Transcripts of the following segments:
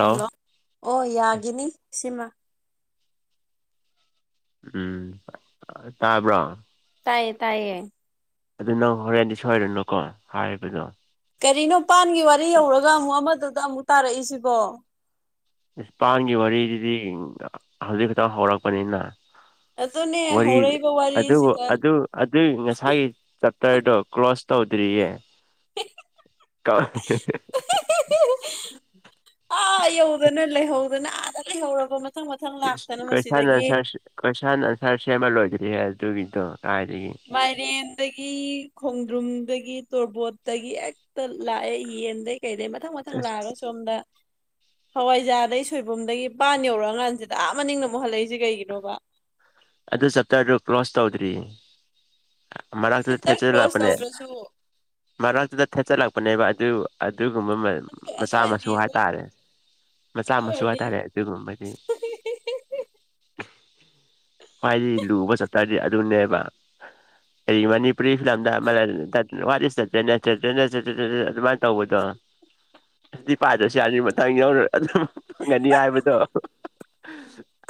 Hello ꯑꯣ ꯌꯥꯒꯤꯅꯤ ꯁꯤꯃ ꯎꯝ ꯇꯥꯕ꯭ꯔꯣ ꯇꯥꯏꯌꯦ ꯇꯥꯏꯌꯦ ꯑꯗꯨ ꯅꯪ ꯍꯣꯔꯦꯟꯗꯤ ꯁꯣꯏꯔꯅꯨꯀꯣ ꯍꯥꯏꯕ ꯀꯔꯤꯅꯣ ꯄꯥꯟꯒꯤ ꯋꯥꯔꯤ ꯌꯧꯔꯒ ꯑꯃꯨꯛ ꯑꯃꯗꯨꯗ ꯑꯃꯨꯛ ꯇꯥꯔꯛꯏꯁꯤꯕꯣ ꯏꯁ ꯄꯥꯟꯒꯤ ꯋꯥꯔꯤꯁꯤꯗꯤ ꯍꯧꯖꯤꯛ ꯈꯛꯇꯪ ꯍꯧꯔꯛꯄꯅꯤꯅ ꯑꯗꯨꯅꯦ ꯋꯥꯔꯤ ꯍꯧꯔꯛꯏꯕ ꯑꯗꯨꯕꯨ ꯋꯥꯔꯤꯁꯤꯗ ꯑꯗꯨ ꯑꯗꯨ ꯉꯁꯥꯏꯒꯤ ꯇꯔꯗꯣ ꯀ꯭ꯂꯣꯁ ꯇꯧꯗ꯭ꯔꯤꯌꯦ [unintelligible] ꯑꯥ ꯌꯧꯗꯅ ꯂꯩꯍꯧꯗꯅ ꯑꯥꯗ ꯂꯩꯍꯧꯔꯕ ꯃꯊꯪ ꯃꯊꯪ ꯂꯥꯛꯇꯅ ꯀꯣꯏꯁꯟ ꯃꯁꯤꯗꯒꯤ ꯑꯟꯁꯔ ꯀꯣꯏꯁꯟ ꯑꯟꯁꯔ ꯁꯦꯝꯃ ꯂꯣꯏꯗ꯭ꯔꯤꯌꯦ ꯑꯗꯨꯒꯤꯗꯣ ꯀꯥꯏꯗꯒꯤ ꯃꯥꯏꯔꯦꯟꯗꯒꯤ ꯈꯣꯡꯗ꯭ꯔꯨꯝꯗꯒꯤ ꯇꯣꯔꯕꯣꯠꯇꯒꯤ ꯑꯦꯛ ꯇ ꯂꯥꯑꯦ ꯌꯦꯟꯗꯩ ꯀꯩꯗꯩ ꯃꯊꯪ ꯃꯊꯪ ꯂꯥꯛꯑꯒ ꯑꯁ ꯁꯣꯝꯗ ꯍꯋꯥꯏꯖꯥꯗꯩ ꯁꯣꯏꯕꯨꯝꯗꯒꯤ ꯄꯥꯟ ꯌꯧꯔꯛꯑꯀꯥꯟꯖꯤꯗꯥ ꯑꯥ ꯃꯥꯅꯤꯡꯅ ꯑꯃꯨꯛ ꯍꯜꯂꯛꯏꯖꯤ ꯀꯩꯒꯤꯅꯣꯕ ꯑꯗꯨ ꯆꯞꯇꯔꯗꯨ ꯀ꯭ꯂꯣꯁ ꯇꯧꯗ꯭ꯔꯤꯌꯦ ꯃꯔꯛꯇ ꯆꯦꯞꯇꯔ ꯀ꯭ꯂꯣꯁ ꯊꯦꯆꯤꯜꯂꯄꯅꯦ ꯇꯧꯗ꯭ꯔꯁꯨ ꯃꯔꯛꯇꯨꯗ ꯊꯦꯠꯆꯜꯂꯛꯄꯅꯦꯕ ꯑꯗꯨ ꯑꯗꯨꯒꯨꯝꯕ ꯑꯗꯨ ꯑꯗꯨ ꯃꯆꯥ ꯃꯁꯨ ꯑꯣꯏꯔꯗꯤ ꯂꯣꯏ ꯍꯥꯏꯇꯥꯔꯦ ꯃꯆꯥ ꯑꯗꯨ ꯃꯁꯨ ꯑꯣꯏꯔꯗꯤ ꯍꯥꯏꯇꯥꯔꯦ ꯑꯗꯨꯒꯨꯝꯕꯒꯤ ꯈ꯭ꯋꯥꯏꯗꯤ ꯂꯨꯕ ꯆꯞꯇꯔꯗꯤ ꯑꯗꯨꯅꯦꯕ ꯑꯩ ꯃꯅꯤ ꯄꯔꯤ ꯐꯤꯂꯝꯗ ꯑꯃꯅ ꯗꯠ ꯋꯥꯠ ꯏꯁ ꯗꯥ [unintelligible] ꯇꯧꯕꯗꯣ ꯁꯤꯗꯤ ꯄꯥꯏꯗ꯭ꯔꯁꯨ ꯌꯥꯅꯤ ꯃꯇꯥꯡ ꯌꯧꯔ ꯑꯗꯨꯝ ꯈꯪꯉꯅꯤ ꯍꯥꯏꯕꯗꯣ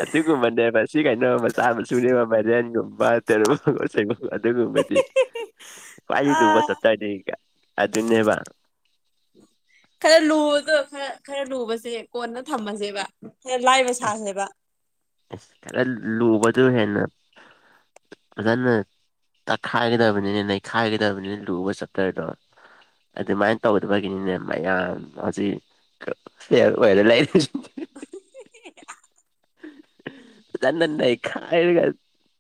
ꯑꯗꯨꯒꯨꯝꯕꯅꯦꯕ ꯁꯤꯒ ꯆꯥꯕ ꯁꯨꯅꯦꯕ ꯃꯔꯦꯟꯒꯨꯝꯕ [unintelligible] ꯑꯗꯨꯒꯨꯝꯕꯗꯤ ꯈ꯭ꯋꯥꯏ ꯂꯨꯕ ꯑꯥ ꯆꯞꯇꯔꯗꯤ ꯑꯗꯨꯅꯦꯕ ꯈꯔ ꯂꯨꯕꯗꯣ ꯈꯔ ꯈꯔ ꯂꯨꯕꯁꯦ ꯀꯣꯟꯅ ꯊꯝꯃꯁꯦꯕ ꯈꯔ ꯂꯥꯏꯕ ꯑꯁ ꯁꯥꯁꯦꯕ ꯈꯔ ꯂꯨꯕꯗꯨ ꯍꯦꯟꯅ ꯐꯖꯅ ꯇꯛꯈꯥꯏꯒꯗꯕꯅꯤꯅ ꯅꯩꯈꯥꯏꯒꯗꯕꯅꯤꯅ ꯂꯨꯕ ꯆꯞꯇꯔꯗꯣ ꯑꯗꯨꯃꯥꯏꯅ ꯇꯧꯗꯕꯒꯤꯅꯤꯅꯦ ꯃꯌꯥꯝ ꯍꯧꯖꯤꯛ ꯐꯦꯜ ꯑꯣꯏꯔ ꯂꯩꯔꯤꯖꯦ ꯐꯖꯅꯥ ꯅꯩꯈꯥꯏꯔꯒ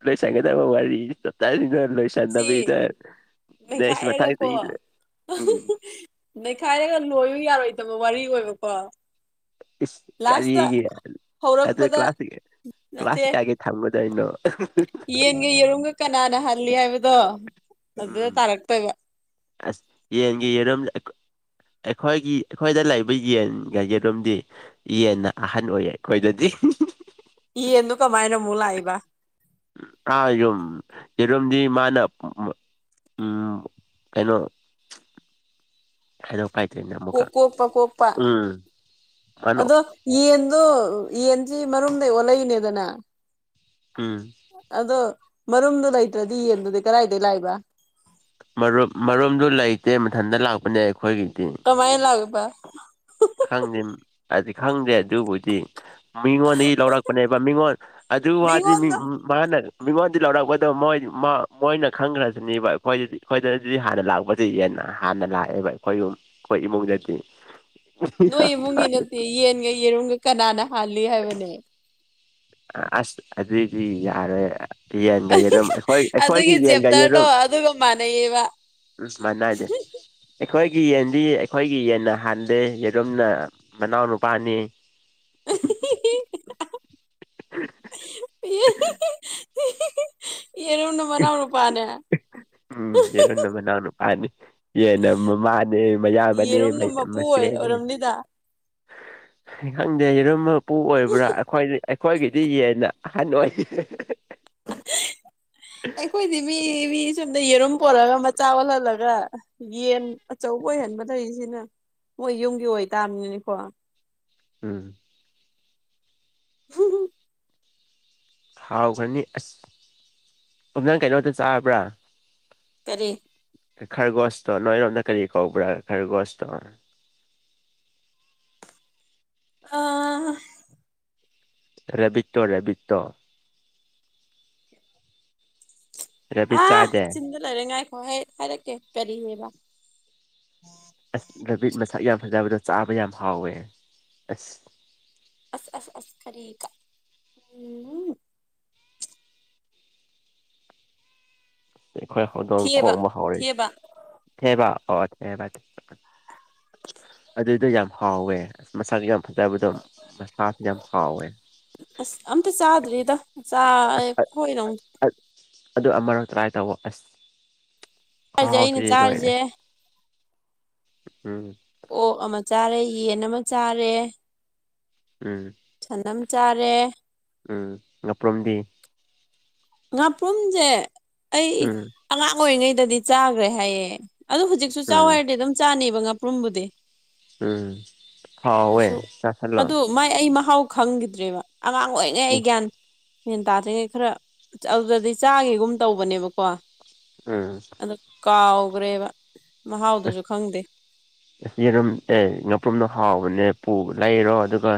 ꯂꯣꯏꯁꯟꯒꯗꯕ ꯋꯔꯤꯗꯤ ꯆꯥꯞꯇꯔꯖꯤꯗ ꯂꯣꯢꯁꯟ ꯁꯤ ꯆꯟꯅꯕꯤꯗ ꯅꯦꯁ ꯃꯊꯪꯗꯦ ꯅꯩꯈꯥꯏꯔꯒꯀꯣ ꯎꯝ ꯅꯩꯈꯥꯏꯔꯒ ꯂꯣꯏꯌꯨ ꯌꯥꯔꯣꯏꯗꯕ ꯋꯥꯔꯤ ꯑꯣꯏꯕꯀꯣ ꯏꯁ ꯂꯥꯁꯇ ꯀꯔꯤꯒꯤ ꯑꯗꯨ ꯍꯧꯔꯛꯄꯗ ꯀ꯭ꯂꯥꯁ ꯀ꯭ꯂꯥꯁ ꯅꯠꯇꯦ ꯀꯌꯥꯒꯤ ꯊꯝꯃꯨꯗꯣꯏꯅꯣ ꯌꯦꯟꯒ ꯌꯦꯔꯨꯝꯒ ꯀꯅꯥꯅ ꯍꯜꯂꯤ ꯍꯥꯏꯕꯗꯣ ꯑꯗꯨꯗ ꯎꯝ ꯇꯥꯔꯛꯇꯣꯏꯕ ꯑꯁ ꯌꯦꯟꯒ ꯌꯦꯔꯨꯝ ꯑꯩꯈꯣ ꯑꯩꯈꯣꯏꯒꯤ ꯑꯩꯈꯣꯏꯗ ꯂꯩꯕ ꯌꯦꯟꯒ ꯌꯦꯔꯨꯝꯗꯤ ꯌꯦꯟꯅ ꯑꯍꯟ ꯑꯣꯏꯌꯦ ꯑꯩꯈꯣꯏꯗꯗꯤ ꯌꯦꯟꯗꯣ ꯀꯃꯥꯥꯏꯅ ꯑꯃꯨꯛ ꯂꯛꯏꯕ ꯑꯥ ꯌꯨꯝ ꯌꯦꯔꯨꯝꯗꯤ ꯃꯥꯅ ꯎꯝ ꯀꯩꯅꯣ ꯀꯣꯛ ꯀꯣꯛꯄ ꯀꯣꯛꯄ [unintelligible] ꯑꯗꯣ ꯌꯦꯟꯗꯣ ꯌꯦꯟꯁꯤ ꯃꯔꯨꯝꯗꯩ ꯑꯣꯜꯂꯛꯏꯅꯦꯗꯅ ꯎꯝ ꯑꯗꯣ ꯃꯔꯨꯝꯗꯨꯣ ꯂꯩꯇ꯭ꯔꯗꯤ ꯌꯦꯟꯗꯨꯗꯤ ꯀꯔꯥꯏꯗꯩ ꯂꯥꯛꯏꯕ? ꯃꯔꯨꯞ ꯃꯔꯨꯝꯗꯣ ꯂꯩꯇꯦ ꯃꯊꯟꯇ ꯂꯥꯛꯄꯅꯦ ꯑꯩꯈꯣꯏꯒꯤꯗꯤ꯫ ꯀꯃꯥꯏ ꯂꯥꯛꯄ? ꯈꯪꯗꯦ ꯍꯥꯏꯗꯤ ꯈꯪꯗꯦ ꯑꯗꯨꯕꯨꯗꯤ ꯃꯤꯉꯣꯟꯗꯒꯤ ꯂꯧꯔꯛꯄꯅꯦꯕ ꯃꯤꯉꯣꯟ ꯑꯗꯨ ꯋꯥꯗꯤꯃꯤ ꯃꯤꯉꯣꯟꯗ ꯎ ꯃꯥꯅ ꯃꯤꯉꯣꯟꯗꯤ ꯂꯧꯔꯛꯄꯗꯣ ꯃꯣꯏ ꯃꯣꯏꯅ ꯈꯪꯈ꯭ꯔꯁꯤꯅꯦꯕ ꯑꯩꯈꯣꯏꯗꯗꯤ ꯑꯩꯈꯣꯏꯗꯗꯤ ꯍꯥꯟꯅ ꯂꯥꯛꯄꯗꯒꯤ ꯍꯦꯟꯅ ꯂꯥꯛꯑꯦꯕ ꯑꯩꯈꯣꯏ ꯌꯨꯝ ꯑꯩꯈꯣꯏ ꯏꯃꯨꯡꯗꯗꯤ꯫ ꯅꯣꯏ ꯏꯃꯨꯡꯒꯤ ꯅꯠꯇꯦ ꯌꯦꯟꯒ ꯌꯦꯔꯨꯝꯒ ꯀꯅꯥꯅ ꯍꯥꯜꯂꯤ ꯍꯥꯏꯕꯅꯦ ꯑꯁ ꯑꯗꯨꯗꯗꯤ ꯌꯥꯔꯦ ꯌꯦꯟꯒ ꯌꯦꯔꯨꯝ ꯑꯩꯈꯣꯏ ꯑꯩꯈꯣꯏꯒꯤ ꯑꯗꯨꯒꯤ ꯌꯦꯟꯒ ꯆꯦꯞꯇꯔꯗꯣ ꯌꯦꯔꯨꯝ ꯑꯗꯨꯒ ꯃꯥꯟꯅꯩꯌꯦꯕ ꯎꯝ ꯃꯅꯥꯗꯦ ꯑꯩꯈꯣꯏꯒꯤ ꯌꯦꯟꯗꯤ ꯑꯩꯈꯣꯏꯒꯤ ꯌꯦꯟꯅ ꯍꯥꯟꯗꯦ ꯌꯦꯔꯨꯝꯅ ꯃꯅꯥꯎꯅꯨꯄꯥꯅꯤ [unintelligible] ꯌꯦꯔꯨꯝꯅ ꯃꯅꯥꯎ ꯅꯨꯄꯥꯅꯦ ꯎꯝ ꯌꯦꯔꯨꯝꯅ ꯃꯅꯥꯎꯅꯨꯄꯥꯅꯤ ꯌꯦꯅ ꯃꯃꯥꯅꯦ ꯃꯌꯥꯝꯕꯅꯦ ꯌꯦꯔꯨꯝꯅ ꯃꯄꯨ ꯑꯣꯏ ꯃꯆꯦꯅꯦ ꯑꯣꯏꯔꯝꯅꯤꯗ ꯈꯪꯗꯦ ꯌꯦꯔꯨꯝ ꯃꯄꯨ ꯑꯣꯏꯕ꯭ꯔꯥ ꯑꯩꯈꯣꯏ ꯑꯩꯈꯣꯏꯒꯤꯗꯤ ꯌꯦꯟꯅ ꯑꯍꯜ ꯑꯣꯏꯔꯦ [inaudible] ꯑꯩꯈꯣꯏꯗꯤ ꯃꯤ ꯃꯤ ꯁꯣꯝꯗ ꯌꯦꯔꯨꯝ ꯄꯣꯜꯂꯒ ꯃꯆꯥ ꯑꯣꯜꯍꯜꯂꯒ ꯌꯦꯟ ꯑꯆꯧꯕ ꯑꯣꯏꯍꯟꯕ ꯂꯩꯔꯤꯁꯤꯅ ꯃꯣꯏ ꯌꯨꯝꯒꯤ ꯑꯣꯏꯇꯥꯥꯕꯅꯤꯅꯤꯀꯣ꯫ ꯎꯝ [unintelligible] ꯍꯥꯎꯈ꯭ꯔꯅꯤ ꯑꯁ ꯑꯝ ꯅꯪ ꯀꯩꯅꯣꯗꯣ ꯆꯥꯕ꯭ꯔꯥ? ꯀꯔꯤ? ꯈꯔꯒꯣꯁꯇꯣ ꯅꯣꯏꯔꯣꯝꯗ ꯀꯔꯤ ꯀꯧꯕ꯭ꯔꯥ ꯈꯔꯒꯣꯁꯇꯣ? ꯑꯥ ꯔꯦꯕꯤꯠꯇꯣ ꯔꯦꯕꯤꯠꯇꯣ ꯔꯦꯕꯤꯠ ꯆꯥꯗꯦ ꯂꯩꯔꯉꯥꯏꯈꯣ ꯍꯥꯏꯔꯛꯀꯦ ꯀꯔꯤꯑꯕ? ꯑꯁ ꯔꯦꯕꯤꯠ ꯃꯁꯥꯛ ꯌꯥꯝ ꯐꯖꯕꯗꯣ ꯆꯥꯕ ꯌꯥꯝ ꯍꯥꯎꯋꯦ ꯑꯁ ꯑꯁ ꯑꯁ ꯑꯁ ꯈꯔ ꯀ ꯎꯝ ꯑꯩꯈꯣꯏ ꯍꯧꯗꯣꯡ ꯊꯦꯕ ꯈꯣꯡꯕ ꯍꯧ ꯔꯣ ꯊꯦꯕ ꯊꯦꯕꯥ ꯑꯣ ꯊꯦꯕ ꯑꯗꯨꯏꯗꯣ ꯌꯥꯝ ꯍꯥꯎꯋꯦ ꯑꯁ ꯃꯁꯥꯁꯨ ꯌꯥꯝ ꯐꯖꯕꯗꯣ ꯃꯁꯥꯁꯨ ꯌꯥꯝ ꯍꯥꯎꯋꯦ꯫ ꯑꯁ ꯑꯝꯇ ꯆꯥꯗ꯭ꯔꯤꯗ ꯆ ꯑꯁ ꯈꯣꯏ ꯑꯗꯨ ꯑꯃꯔꯛ ꯇ꯭ꯔꯥꯏ ꯇꯧꯕ ꯑꯁ ꯆꯥꯔꯤꯁꯦ ꯑꯩꯅ ꯈꯍꯥꯎꯁꯤꯗꯤ ꯂꯣꯏꯔꯦ꯫ ꯆꯥꯔꯤꯁꯦ ꯎꯝ ꯑꯣꯛ ꯑꯃ ꯆꯥꯔꯦ ꯌꯦꯟ ꯑꯃ ꯆꯥꯔꯦ ꯎꯝ ꯁꯟ ꯑꯝ ꯆꯥꯔꯦ ꯎꯝ ꯉꯄ꯭ꯔꯨꯝꯗꯤ? ꯉꯥꯄ꯭ꯔꯨꯝ ꯖꯦ ꯑꯩ ꯎꯝ ꯑꯉꯥꯡ ꯑꯣꯏꯔꯤꯉꯩꯗꯗꯤ ꯆꯥꯈ꯭ꯔꯦ ꯍꯥꯏꯌꯦ꯫ ꯑꯗꯨ ꯍꯧꯖꯤꯛꯁꯨ ꯆꯥꯎ ꯎꯝ ꯍꯥꯏꯔꯗꯤ ꯑꯗꯨꯝ ꯆꯥꯅꯤꯕ ꯉꯥꯄ꯭ꯔꯨꯝꯕꯨꯗꯤ꯫ ꯎꯝ ꯍꯥꯎꯋꯦ ꯀꯩꯁꯨ ꯆꯁꯜꯂꯣ꯫ ꯑꯗꯨ ꯃꯥꯏ ꯑꯩ ꯃꯍꯥꯎ ꯈꯪꯈꯤꯗ꯭ꯔꯦꯕ ꯑꯉꯥꯡ ꯑꯣꯏꯔꯤꯉꯩ ꯑꯩ ꯎꯝ ꯒ꯭ꯌꯥꯟ ꯃ꯭ꯌꯥꯟ ꯇꯥꯗ꯭ꯔꯤꯉꯩ ꯈꯔ ꯑꯗꯨꯗꯗꯤ ꯆꯥꯒꯤꯒꯨꯝ ꯇꯧꯕꯅꯦꯕꯀꯣ ꯎꯝ ꯑꯗꯨ ꯀꯥꯎꯈ꯭ꯔꯦꯕ ꯃꯍꯥꯎꯗꯨꯁꯨ ꯈꯪꯗꯦ꯫ ꯆꯔꯨꯝ ꯑꯦ ꯉꯥꯄ꯭ꯔꯨꯝꯗꯣ ꯍꯥꯎꯕꯅꯦ ꯄꯨꯕ ꯂꯩꯔꯣ ꯑꯗꯨꯒ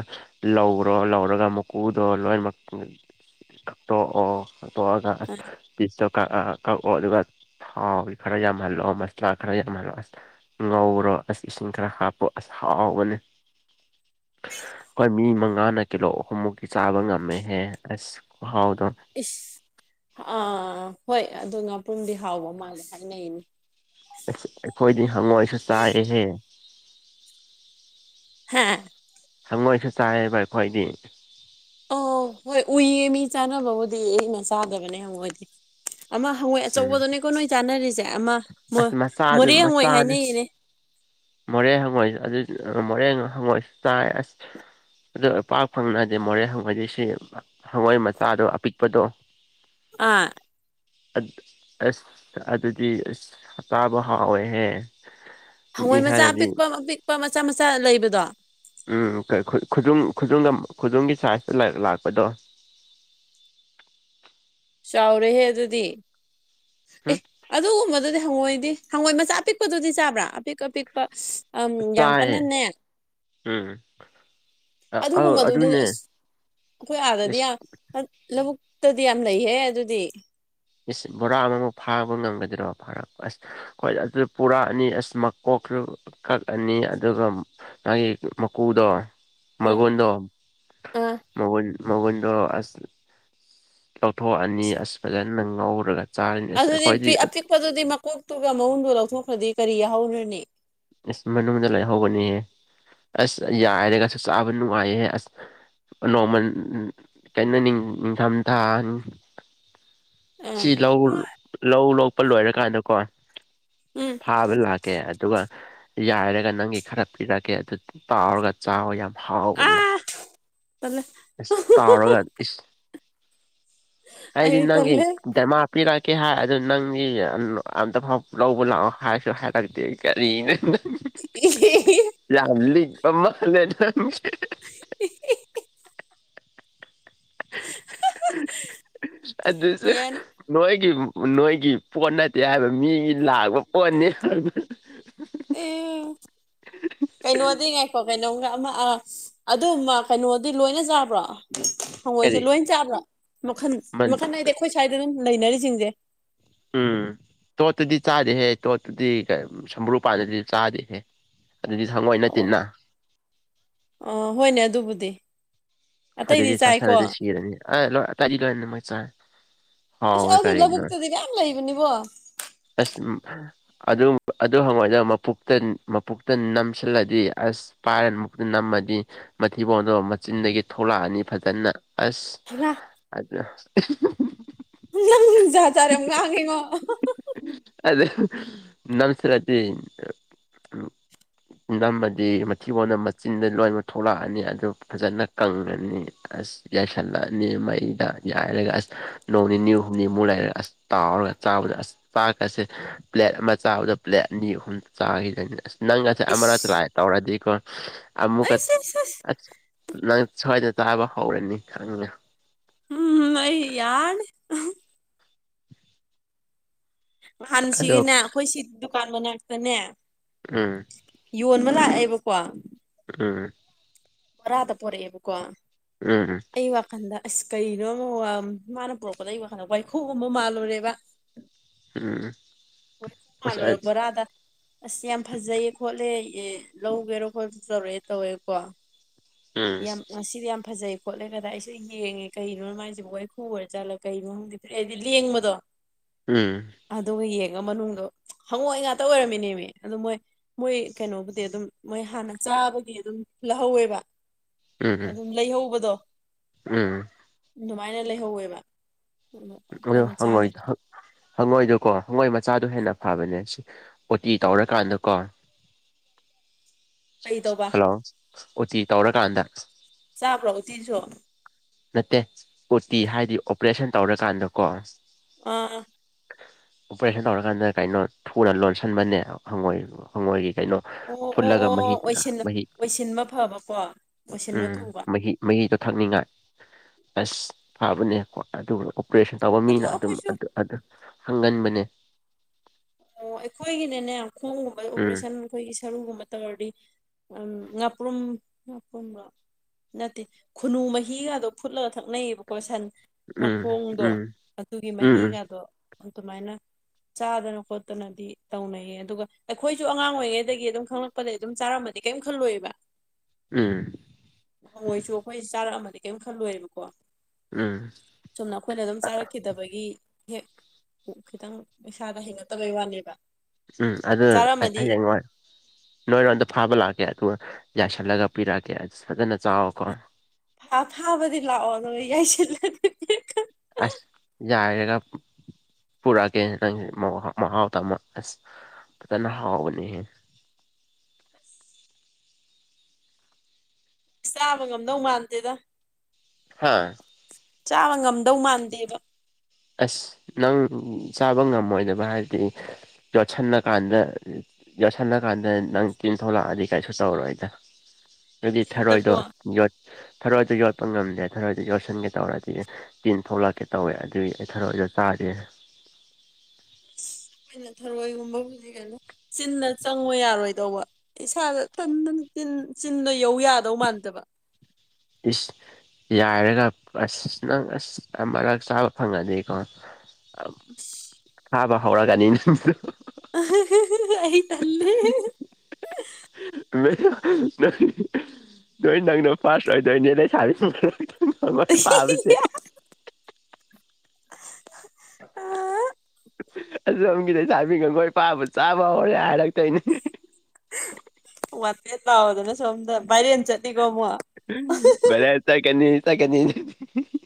ꯂꯧꯔꯣ ꯂꯧꯔꯒ ꯃꯀꯨꯗꯣ ꯂꯣꯏꯅꯃꯛ ꯀꯥꯛꯇꯣꯛꯑꯣ ꯇꯣꯑꯒ ꯄꯤꯁꯇꯣ ꯀꯛ ꯀꯛꯑꯣ ꯑꯗꯨꯒ ꯊꯥꯎ ꯈꯔ ꯌꯥꯝꯍꯜꯂꯣ ꯃꯁꯂꯥ ꯈꯔ ꯌꯥꯝꯍꯜꯂꯣ ꯑꯁ ꯉꯧꯔꯣ ꯑꯁ ꯏꯁꯤꯡ ꯈꯔ ꯍꯥꯞꯄꯣ ꯑꯁ ꯍꯥꯎꯕꯅꯦ ꯑꯩꯈꯣꯏ ꯃꯤ ꯃꯉꯥꯅ ꯀꯤꯂꯣ ꯑꯍꯨꯝꯃꯨꯛꯀꯤ ꯆꯥꯕ ꯉꯝꯃꯦꯍꯦ ꯑꯁ ꯈꯨꯍꯥꯎꯗꯣ ꯏꯁ ꯑꯥ ꯍꯣꯏ ꯑꯗꯨ ꯉꯥꯄ꯭ꯔꯨꯝꯗꯤ ꯍꯥꯎꯕ ꯃꯥꯜꯂꯦ ꯍꯥꯏꯅꯩꯌꯦ ꯑꯩꯈꯣꯏꯗꯤ ꯍꯪꯉꯣꯏꯁꯨ ꯆꯥꯏꯑꯦꯍꯦ ꯍꯥ ꯍꯪꯉꯣꯏꯁꯨ ꯆꯥꯏꯑꯕ ꯑꯩꯈꯣꯏꯗꯤ ꯑꯣ ꯍꯣꯏ ꯎꯏꯌꯦ ꯃꯤ ꯆꯥꯅꯕꯕꯨꯗꯤ ꯑꯩꯅ ꯆꯥꯗꯕꯅꯦ ꯍꯉꯣꯏꯗꯤ ꯑꯃ ꯍꯪꯉꯣꯏ ꯎꯝ ꯑꯆꯧꯕꯗꯨꯅꯦꯀꯣ ꯅꯣꯏ ꯆꯥꯅꯔꯤꯁꯦ ꯑꯃ ꯑꯁ ꯃꯆꯥꯗꯨ ꯃꯣꯔꯦ ꯍꯪꯉꯣꯏ ꯃꯆꯥꯅꯤ ꯍꯥꯏꯅꯩꯅꯦ ꯃꯣꯔꯦ ꯍꯪꯉꯣꯏꯁ ꯑꯗꯨ ꯃꯣꯔꯦ ꯍꯪꯉꯣꯏꯁꯨ ꯆꯥꯏ ꯑꯁ ꯑꯗꯣ ꯄꯥꯛ ꯐꯪꯅꯗꯤ ꯃꯣꯔꯦ ꯍꯪꯉꯣꯏꯗꯤ ꯁꯤ ꯍꯋꯥꯏ ꯃꯆꯥꯗꯣ ꯑꯄꯤꯛꯄꯗꯣ ꯑꯥ ꯑꯠ ꯑꯁ ꯑꯗꯨꯗꯤ ꯑꯁ ꯆꯥꯕ ꯍꯥꯥꯎꯋꯦꯍꯦ ꯍꯪꯉꯣꯏ ꯃꯆꯥ ꯑꯄꯤꯛꯄ ꯑꯄꯤꯛꯄ ꯃꯆꯥ ꯃꯆꯥ ꯂꯩꯕꯗꯣ ꯎꯝ ꯀꯩ ꯈꯨ ꯈꯨꯗꯨꯝ ꯈꯨꯗꯨꯝꯒ ꯈꯨꯗꯨꯝꯒꯤ ꯁꯥꯏꯖꯇ ꯂꯥꯛꯄꯗꯣ ꯆꯥꯎꯔꯦꯍꯦ ꯑꯗꯨꯗꯤ ꯑꯦ ꯎꯝ ꯑꯗꯨꯒꯨꯝꯕꯗꯨꯗꯤ ꯍꯪꯉꯣꯏꯗꯤ ꯍꯪꯉꯣꯏ ꯃꯆꯥ ꯑꯄꯤꯛꯄꯗꯨꯗꯤ ꯆꯥꯕ꯭ꯔꯥ ꯑꯄꯤꯛ ꯑꯄꯤꯛ ꯄꯁ ꯑꯝ ꯌꯥꯝ ꯆꯥꯏꯌꯦ ꯀꯟꯅꯅꯦ ꯎꯝ ꯑꯧ ꯑꯗꯨꯒꯨꯝꯕꯗꯨꯗꯤ ꯑꯗꯨꯅꯦ ꯑꯁ ꯑꯩꯈꯣꯏ ꯑꯥꯗꯗꯤ ꯏꯁ ꯌꯥꯝ ꯂꯧꯕꯨꯛꯇꯗꯤ ꯌꯥꯝ ꯂꯩꯍꯦ ꯑꯗꯨꯗꯤ ꯏꯁ ꯕꯣꯔꯥ ꯑꯃꯃꯨꯛ ꯐꯥꯕ ꯉꯝꯒꯗ꯭ꯔꯣ ꯐꯥꯔꯛꯄ ꯑꯁ ꯍꯣꯏ ꯑꯗꯨ ꯄꯨꯔꯛꯑꯅꯤ ꯑꯁ ꯃꯀꯣꯛꯁꯨ ꯀꯛꯑꯅꯤ ꯑꯗꯨꯒ ꯅꯪꯒꯤ ꯃꯀꯨꯗꯣ ꯑꯥ ꯃꯒꯨꯟꯗꯣ ꯑꯥ ꯃꯎꯟ ꯃꯎꯟꯗꯣ ꯑꯁ ꯂꯧꯊꯣꯛꯑꯅꯤ ꯑꯁ ꯐꯖꯅ ꯉꯧꯔꯒ ꯆꯥꯔꯅꯤ ꯑꯁ ꯑꯗꯨꯗꯤ ꯑꯩꯈꯣꯏꯗꯤ ꯄꯤꯛ ꯑꯄꯤꯛꯄꯗꯨꯗꯤ ꯃꯀꯣꯛꯇꯨꯒ ꯃꯎꯟꯗꯨꯒ ꯂꯧꯊꯣꯛꯈ꯭ꯔꯗꯤ ꯀꯔꯤ ꯌꯥꯍꯧꯔꯅꯤ ꯑꯁ ꯃꯅꯨꯡꯗ ꯂꯩꯍꯧꯕꯅꯤꯍꯦ ꯑꯁ ꯌꯥꯏꯔꯒꯁꯨ ꯆꯥꯕ ꯅꯨꯡꯉꯥꯏꯌꯦ ꯑꯁ ꯅꯣꯡꯃꯟ ꯀꯩꯅꯣ ꯅꯤꯡ ꯅꯤꯡꯊꯝꯊꯥ ꯑꯥ ꯁꯤ ꯂꯧ ꯂꯧ ꯂꯣꯛꯄ ꯂꯣꯏꯔꯀꯥꯟꯗꯀꯣ ꯎꯝ ꯐꯥꯕ ꯂꯥꯛ ꯀꯦ ꯑꯗꯨꯒ ꯌꯥꯏꯔꯒ ꯅꯪꯒꯤ ꯈꯔ ꯄꯤꯔꯛꯀꯦ ꯑꯗꯨ ꯇꯥꯎꯔꯒ ꯆꯥꯎꯋꯣ ꯌꯥꯝ ꯍꯥꯎꯕꯅꯦ ꯑꯥ ꯇꯜꯂꯦ ꯏꯁ ꯇꯥꯎꯔꯒ ꯏꯁ ꯑꯩꯗꯤ ꯑꯩ ꯅꯪꯒꯤ ꯇꯜꯂꯦ ꯗꯃꯥꯛ ꯄꯤꯔꯛꯀꯦ ꯍꯥꯏ ꯑꯗꯨ ꯅꯪꯗꯤ ꯑꯝꯇ ꯐꯥꯎ ꯂꯧꯕ ꯂꯥꯛꯑꯣ ꯍꯥꯏꯁꯨ ꯍꯥꯏꯔꯛꯇꯦ ꯀꯔꯤ [inaudible] ꯌꯥꯝ ꯂꯤꯛꯄ ꯃꯥꯜꯂꯦ ꯅꯪꯁꯦ ꯎ [unintelligible] ꯑꯗꯨꯁꯨ ꯌꯥꯅꯤ ꯅꯣꯏꯒꯤ ꯅꯣꯏꯒꯤ ꯄꯣꯠ ꯅꯠꯇꯦ ꯍꯥꯏꯕ ꯃꯤꯒꯤ ꯂꯥꯛꯄ ꯄꯣꯠꯅꯤ ꯀꯩꯅꯣꯗꯤ ꯉꯥꯏꯈꯣ ꯀꯩꯅꯣꯝꯒ ꯑꯃ ꯑ ꯑꯗꯨꯝꯃ ꯀꯩꯅꯣꯗꯤ ꯂꯣꯏꯅ ꯆꯥꯕ꯭ꯔꯣ ꯍꯪꯒꯣꯏꯁꯦ ꯀꯔꯤ ꯂꯣꯏ ꯆꯥꯕ꯭ꯔꯥ ꯃꯈꯟ ꯃꯈꯟ ꯍꯥꯏꯗꯤ ꯑꯩꯈꯣꯏ ꯁ꯭ꯋꯥꯏꯗ ꯑꯗꯨꯝ ꯂꯩꯅꯔꯤꯁꯤꯡꯁꯦ ꯎꯝ ꯇꯣꯠꯇꯨꯗꯤ ꯆꯥꯗꯦꯍꯦ ꯇꯣꯠꯇꯨꯗꯤ ꯁꯝꯕ꯭ꯔꯨ ꯄꯥꯟꯗꯗꯤ ꯆꯥꯗꯦꯍꯦ ꯑꯗꯨꯗꯤ ꯁꯪꯒꯣꯏ ꯅꯠꯇꯦꯅ ꯑꯣ ꯍꯣꯏꯅꯦ ꯑꯗꯨꯕꯨꯗꯤ ꯑꯇꯩꯗꯤ ꯑꯗꯨꯗꯤ ꯆꯥꯏꯀꯣ ꯆꯔꯗꯤ ꯁꯤꯔꯅꯤ ꯑꯣꯏ ꯇꯥꯗꯤ ꯂꯣꯏꯔꯅꯤ ꯃꯣꯏ ꯆ ꯌꯥꯁꯤ ꯂꯧꯕꯨꯛꯇꯗꯤ ꯌꯥꯝꯌꯥꯝ ꯂꯩꯕꯅꯤꯕꯣ ꯑꯁ ꯑꯗꯨ ꯍꯪꯉꯣꯏꯗꯅ ꯃꯄꯇ ꯃꯄꯨꯛꯇ ꯅꯝꯁꯤꯜꯂꯗꯤ ꯑꯁ ꯄꯥꯏꯔꯃꯨꯛꯇꯤ ꯅꯝꯃꯗꯤ ꯃꯊꯤꯕꯣꯗꯣ ꯃꯆꯤꯟꯗꯒꯤ ꯊꯣꯛꯂꯛꯑꯅꯤ ꯐꯖꯅ ꯑꯁ ꯍꯅ ꯑ ꯅꯡ ꯖꯥꯠ ꯖꯥꯇ ꯌꯥꯝ ꯉꯥꯡꯉꯦꯉꯣ [unintelligible] ꯅꯃꯗꯤ ꯃꯊꯤꯒꯣꯟꯗ ꯃꯆꯤꯟꯗ ꯂꯣꯏꯃꯛ ꯊꯣꯛꯂꯛꯑꯅꯤ ꯑꯗꯨ ꯐꯖꯅ ꯀꯪꯉꯅꯤ ꯑꯁ ꯌꯥꯏꯁꯜꯂꯅꯤ ꯃꯩꯗ ꯌꯥꯏꯔꯒ ꯑꯁ ꯅꯣꯡ ꯅꯤꯅꯤ ꯍꯨꯝꯅꯤꯃꯨꯛ ꯂꯩꯔꯒ ꯑꯁ ꯇꯥꯎꯔꯒ ꯆꯥꯕꯗ ꯑꯁ ꯆꯥꯛꯀꯁꯦ ꯄ꯭ꯂꯦꯠ ꯑꯃ ꯆꯥꯕꯗ ꯄ꯭ꯂꯦꯠ ꯑꯅꯤ ꯑꯍꯨꯝ ꯆꯥꯈꯤꯒꯅꯤ ꯑꯁ ꯅꯪꯒꯁꯦ ꯑꯃꯔꯛ ꯏꯁ ꯂꯥꯛꯑꯦ ꯇꯧꯔꯗꯤꯀꯣ ꯑꯃꯨꯛꯀ ꯑꯩꯁ ꯑꯩꯁ ꯑꯁ ꯑ ꯅꯪ ꯁ꯭ꯋꯥꯏꯗ ꯆꯥꯕ ꯍꯧꯔꯅꯤ ꯈꯪꯉꯦ ꯎꯝ ꯑꯩ ꯌꯥꯔꯅꯤ ꯉꯍꯥꯟ ꯑꯗꯣ ꯁꯤꯒꯤꯅꯦ ꯑꯩꯈꯣꯏ ꯁꯤ ꯗꯨꯀꯥꯟ ꯃꯅꯥꯛꯇꯅꯦ ꯎꯝ ꯌꯣꯟꯕ ꯂꯥꯛꯑꯦꯕꯀꯣ ꯎꯥ ꯑꯣꯏꯔꯗ ꯄꯨꯔꯦꯕꯀꯣ ꯎꯝ ꯎꯝ ꯑꯩ ꯋꯥꯈꯜꯗ ꯑꯁ ꯀꯩꯅꯣ ꯑꯃ ꯃꯥꯅ ꯄꯨꯔꯛꯄꯗ ꯑꯩ ꯋꯥꯈꯜꯗ ꯋꯥꯏꯈꯨꯒꯨꯝꯕ ꯃꯥꯜꯂꯨꯔꯦꯕ ꯎꯝ [unintelligible] ꯑꯁ ꯌꯥꯝ ꯐꯖꯩꯌꯦ ꯈꯣꯠꯂꯦ ꯂꯧꯒꯦꯔꯣ ꯈꯣꯠꯄ ꯇꯧꯔꯛꯑꯦ ꯇꯧꯋꯦꯀꯣ ꯌꯥꯝ ꯉꯁꯤꯗꯤ ꯌꯥꯝ ꯐꯖꯩ ꯈꯣꯠꯂꯦ ꯀꯗ ꯑꯩꯁꯦ ꯌꯦꯡꯉꯦ ꯀꯩꯅꯣ ꯃꯥꯏꯁꯤꯕꯨ ꯋꯥꯏꯈꯨ ꯑꯣꯏꯔ ꯆꯠꯂꯒ ꯀꯩꯅꯣꯝꯗꯤ ꯍꯥꯏꯗꯤ ꯂꯦꯡꯕꯗꯣ ꯎꯝ ꯑꯗꯨꯒ ꯌꯦꯡꯉ ꯃꯅꯨꯡꯗꯣ ꯍꯪꯉꯣꯏꯏ ꯉꯥꯛꯇ ꯑꯣꯏꯔꯝꯃꯤꯅꯦꯃꯤ ꯑꯗꯨ ꯃꯣꯏ ꯃꯣꯏ ꯀꯩꯅꯣꯕꯨꯗꯤ ꯑꯗꯨꯝ ꯃꯣꯏ ꯍꯥꯟꯅ ꯆꯥꯕꯗꯤ ꯑꯗꯨꯝ ꯂꯧꯍꯧꯋꯦꯕ ꯎꯝ ꯎꯝ ꯑꯗꯨꯝ ꯂꯩꯍꯧꯕꯗꯣ ꯎꯝ ꯑꯗꯨꯃꯥꯏꯅ ꯂꯩꯍꯧꯋꯦꯕ ꯑꯩꯈꯣꯏꯅ ꯆꯥꯗꯕꯅꯤ ꯍꯪꯉꯣꯏꯗꯀꯣ ꯍꯪꯉꯣꯏ ꯃꯆꯥꯗꯣ ꯍꯦꯟꯅ ꯐꯕꯅꯦ ꯁꯤ ꯑꯣꯇꯤ ꯇꯧꯔꯀꯥꯟꯗꯀꯣ ꯀꯩ ꯇꯧꯕ ꯍꯜꯂꯣ ꯎꯇꯤ ꯇꯧꯔꯀꯥꯟꯗ ꯆꯥꯕ꯭ꯔꯣ ꯆꯤꯁꯨꯣ ꯅꯠꯇꯦ ꯑꯣꯇꯤ ꯍꯥꯏꯗꯤ ꯑꯣꯄꯔꯦꯁꯟ ꯇꯧꯔꯀꯥꯟꯗꯀꯣ ꯑ ꯑꯣꯄꯔꯦꯁꯟ ꯇꯧꯔꯀꯥꯟꯗ ꯀꯩꯅꯣ ꯊꯨꯅ ꯂꯣꯟꯁꯤꯟꯕꯅꯦ ꯍꯪꯣꯏ ꯍꯪꯉꯣꯏꯒꯤ ꯀꯩꯅꯣ ꯑꯣ ꯑꯣ ꯐꯨꯠꯂꯒ ꯑꯣ ꯃꯍꯤ ꯑꯣ ꯑꯣꯏꯁꯤꯟ ꯃꯍꯤ ꯑꯣꯏꯁꯤꯟꯕ ꯐꯕꯀꯣ ꯑꯣꯏꯁꯤꯟꯕ ꯎꯝ ꯊꯨꯕ ꯃꯍꯤ ꯃꯤꯗꯣ ꯊꯛꯅꯤꯡꯉꯥꯏ ꯑꯁ ꯐꯕꯅꯦꯀꯣ ꯑꯗꯨꯒ ꯑꯣꯄꯔꯦꯁꯟ ꯇꯧꯕ ꯑꯗꯣ ꯃꯤꯅ ꯑꯗꯨꯝ ꯑꯩꯈꯣꯏꯁꯨ ꯑꯗꯨ ꯍꯪꯒꯟꯕꯅꯦ ꯑꯣ ꯑꯩꯈꯣꯏꯒꯤꯅꯦꯅꯦ ꯈꯣꯡꯒꯨꯝꯕ ꯎꯝ ꯑꯣꯄꯔꯦꯁꯟ ꯑꯩꯈꯣꯏꯒꯤ ꯁꯔꯨꯒꯨꯝꯕ ꯇꯧꯔꯗꯤ ꯉꯥꯄ꯭ꯔꯨꯝ ꯉꯥꯄ꯭ꯔꯨꯝꯒ ꯅꯠꯇꯦ ꯈꯨꯅꯨ ꯃꯍꯤꯒꯗꯣ ꯐꯨꯠꯂꯒ ꯊꯛꯅꯩꯌꯦꯕꯀꯣ ꯁꯟ ꯎꯝ ꯃꯈꯣꯡꯗꯣ ꯎꯝ ꯑꯗꯨꯒꯤ ꯎꯝ ꯎꯝ ꯃꯍꯤꯒꯗꯣ ꯑꯗꯨꯃꯥꯏꯅ ꯆꯥꯗꯅ ꯈꯣꯠꯇꯅꯗꯤ ꯇꯧꯅꯩꯌꯦ ꯑꯗꯨꯒ ꯑꯩꯈꯣꯏꯁꯨ ꯑꯉꯥꯡ ꯑꯣꯏꯔꯤꯉꯩꯗꯒꯤ ꯑꯗꯨꯝ ꯈꯪꯂꯛꯄꯗꯒꯤꯩ ꯑꯗꯨꯝ ꯆꯥꯔꯝꯃꯗꯤ ꯀꯔꯤꯝ ꯈꯜꯂꯣꯏꯕ ꯎꯝ ꯃꯣꯏꯁꯨ ꯑꯩꯈꯣꯏ ꯆꯥꯔꯛꯑꯃꯗꯤ ꯀꯔꯤꯝ ꯈꯜꯂꯣꯏꯦꯕꯀꯣ ꯎꯝ ꯑꯗꯨꯅ ꯑꯩꯈꯣꯏꯅ ꯑꯗꯨꯝ ꯆꯥꯔꯛꯈꯤꯗꯕ ꯑꯩꯣꯏꯒꯤ ꯍꯦꯛ ꯈꯤꯇꯪ ꯄꯩꯁꯥꯗ ꯍꯦꯡꯉꯠꯇꯕꯩ ꯋꯥꯅꯦꯕ ꯎꯝ ꯑꯗꯨ ꯆꯥꯔꯝꯃꯗꯤ ꯍꯌꯦꯡ ꯃꯥ ꯅꯣꯏꯔꯣꯝꯗ ꯐꯥꯕ ꯂꯥꯛꯀꯦ ꯑꯗꯨꯒ ꯌꯥꯏꯁꯜꯂꯒ ꯄꯤꯔꯛꯑꯀꯦ ꯑꯗꯨ ꯐꯖꯅ ꯆꯥꯎꯋꯀꯣ ꯑꯥ ꯊꯥꯕꯗꯤ ꯂꯥꯛꯑꯣ ꯑꯗꯨꯒ ꯌꯥꯏꯁꯤꯜꯂꯗꯤ ꯑꯁ ꯌꯥꯔꯦ ꯅꯪ ꯄꯨꯔꯛꯑꯒꯦ ꯅꯪꯁꯤ ꯃꯍꯥꯎ ꯇꯝꯃꯣ ꯑꯁ ꯐꯖꯅ ꯍꯥꯎꯕꯅꯤ ꯆꯥꯕ ꯉꯝꯗꯧ ꯃꯥꯟꯗꯦꯗ ꯍꯥꯥ ꯆꯥꯕ ꯉꯝꯗꯧ ꯃꯥꯟꯗꯦꯕ ꯑꯁ ꯅꯪ ꯆꯥꯕ ꯉꯝꯃꯣꯏꯗꯕ ꯍꯥꯏꯗꯤ ꯌꯣꯠꯁꯜꯂ ꯀꯥꯟꯗ ꯌꯣꯠꯁꯜꯂꯀꯥꯟꯗ ꯅꯪ ꯇꯤꯟ ꯊꯣꯛꯂꯛꯑꯗꯤ ꯀꯩꯁꯨ ꯇꯧꯔꯣꯏꯗ ꯑꯗꯨꯗꯤ ꯆꯤꯟꯗꯀꯣ ꯊꯥꯔꯣꯏꯗꯣ ꯌꯠ ꯊꯔꯣꯏꯗ ꯌꯣꯠꯄ ꯉꯝꯗ꯭ꯔꯦ ꯊꯔꯣꯏꯗ ꯌꯣꯠꯁꯤꯟꯒꯦ ꯇꯧꯔꯗꯤ ꯇꯤꯟ ꯊꯣꯛꯂꯛꯀꯦ ꯇꯧꯋꯦ ꯑꯗꯨꯏ ꯊꯔꯛꯗ ꯇꯥꯔꯦ ꯑꯩꯈꯣꯏꯅ ꯊꯔꯣꯏꯒꯨꯝꯕ ꯍꯧꯖꯤꯛ ꯀꯩꯅꯣ ꯆꯤꯟꯅ ꯆꯪꯉꯣ ꯌꯥꯔꯣꯏꯗꯧꯕ ꯏꯁꯥꯗ ꯇꯟ ꯆꯤꯟꯅ ꯌꯧ ꯌꯥꯗꯧ ꯃꯥꯟꯗꯕ ꯏꯁ ꯌꯥꯏꯔꯒ ꯑꯁ ꯅꯪ ꯑꯁ ꯃꯔꯛ ꯆꯥꯕ ꯐꯪꯉꯅꯤꯀꯣ ꯍꯥꯕ ꯍꯧꯔꯒꯅꯤ ꯑ ꯑꯩ ꯇꯜꯂꯦ ꯃ [inaudible] ꯅꯣꯏ ꯅꯪꯅꯣ ꯄꯥꯁ ꯑꯣꯏꯗꯣꯏꯅꯦ ꯅ ꯁꯥꯕꯤ ꯃꯣꯏ ꯄꯥꯕꯁꯦ [inaudible] ꯑꯁꯣꯝꯒꯤꯗꯩ ꯂꯩꯁꯥꯕꯤꯅ ꯈꯣꯢꯅ ꯐꯥꯕ ꯆꯥꯕ ꯍꯧꯔꯦ ꯍꯥꯏꯔꯛꯇꯣꯏꯅꯤ ꯋꯥꯟꯇꯦꯠ ꯂꯥꯎꯗꯅ ꯁꯣꯝꯗ ꯚꯥꯏꯔꯦꯟ ꯆꯠꯅꯤꯀꯣ ꯑꯃꯨꯛ ꯕꯥꯢꯔꯦꯟ ꯆꯠꯀꯅꯤ ꯆꯠꯀꯅꯤ